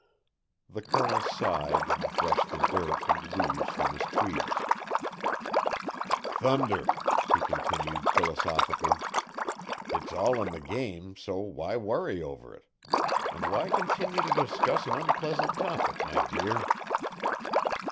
The Colonel sighed and brushed the dirt and leaves from his tweeds. "Thunder," he continued philosophically, "it's all in the game, so why worry over it? And why continue to discuss an unpleasant topic, my dear?"